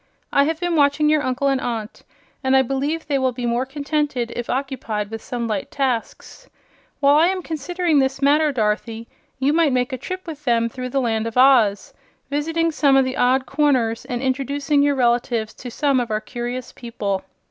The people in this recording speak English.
"I have been watching your uncle and aunt, and I believe they will be more contented if occupied with some light tasks. While I am considering this matter, Dorothy, you might make a trip with them through the Land of Oz, visiting some of the odd corners and introducing your relatives to some of our curious people."